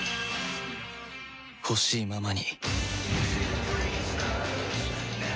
ほしいままに